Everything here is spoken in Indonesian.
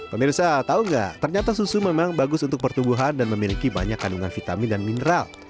pemirsa tau gak ternyata susu memang bagus untuk pertumbuhan dan memiliki banyak kandungan vitamin dan mineral